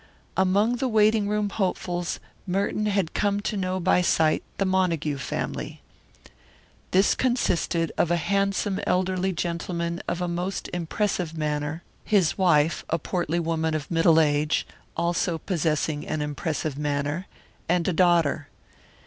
Among the waiting room hopefuls Merton had come to know by sight the Montague family. This consisted of a handsome elderly gentleman of most impressive manner, his wife, a portly woman of middle age, also possessing an impressive manner, and a daughter.